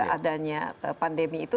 adanya pandemi itu